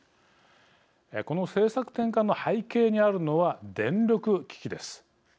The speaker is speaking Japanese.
この政策転換の背景にあるのは電力危機です。